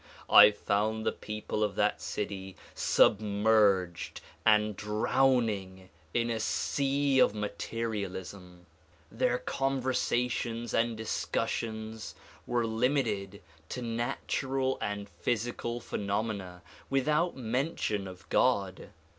I found the people of that city submerged and drowning in a sea of materialism. Their conversa tions and discussions were limited to natural and physical phe nomena, without mention of God.